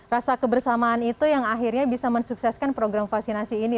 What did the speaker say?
rasa kebersamaan itu yang akhirnya bisa mensukseskan program vaksinasi ini